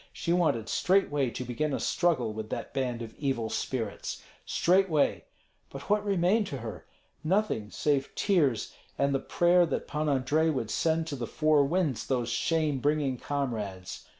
She wanted straightway to begin a struggle with that band of evil spirits, straightway. But what remained to her? Nothing, save tears and the prayer that Pan Andrei would send to the four winds those shame bringing comrades.